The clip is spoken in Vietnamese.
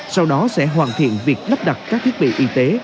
sau đó sẽ hoàn thiện việc lắp đặt các thiết bị y tế